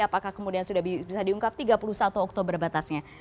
apakah kemudian sudah bisa diungkap tiga puluh satu oktober batasnya